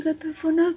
saya juga sudah mati